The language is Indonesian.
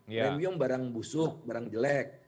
premium barang busuk barang jelek